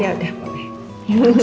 ya udah boleh